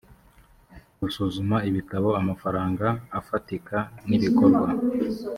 gusuzuma ibitabo amafaranga afatika n ibikorwa